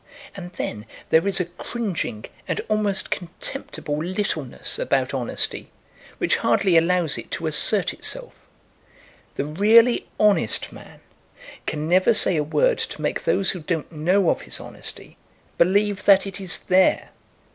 And then there is a cringing and almost contemptible littleness about honesty, which hardly allows it to assert itself. The really honest man can never say a word to make those who don't know of his honesty believe that it is there.